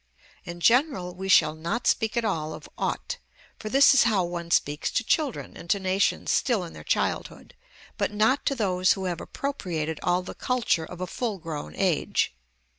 In general, we shall not speak at all of "ought," for this is how one speaks to children and to nations still in their childhood, but not to those who have appropriated all the culture of a full grown age.